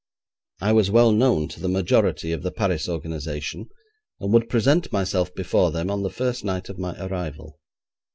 I was well known to the majority of the Paris organisation, and would present myself before them on the first night of my arrival.